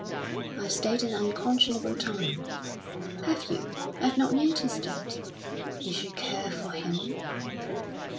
"I've stayed an unconscionable time." "Have you? I've not noticed it." Did she care for him?